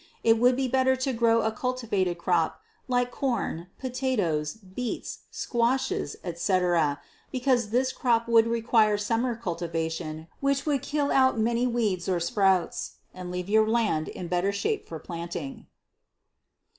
It would be better to grow a cultivated crop like corn, potatoes, beets, squashes, etc., because this crop would require summer cultivation which would kill out many weeds or sprouts and leave your land in better shape for planting.